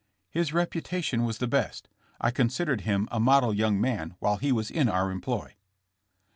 '* His reputation was the best. I considered him a model young man while he was in our employ.